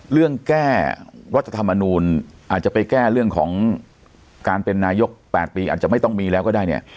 เรื่องแก้รัฐธรรมนูลอาจจะไปแก้เรื่องของการเป็นนายก๘ปีอาจจะไม่ต้องมีแล้วก็ได้เนี่ย